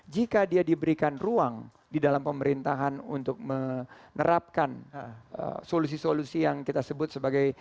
jika dia diberikan ruang di dalam pemerintahan untuk menerapkan solusi solusi yang kita sebut sebagai